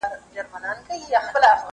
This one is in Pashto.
که مي نصیب سوې د وطن خاوري .